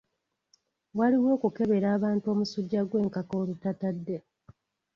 Waliwo okukebera abantu omusujja gw'enkaka olutatadde